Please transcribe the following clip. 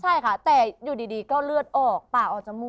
ใช่ค่ะแต่อยู่ดีก็เลือดออกปากออกจมูก